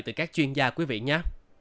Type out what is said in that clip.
từ các chuyên gia quý vị nhé